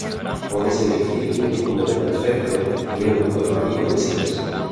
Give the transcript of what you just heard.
Pódese dicir que un número perfecto é un número amigo de si mesmo.